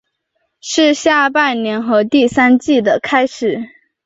是下半年和第三季的开始。